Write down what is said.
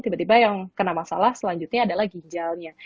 tiba tiba yang kena masalah selanjutnya adalah ginjalnya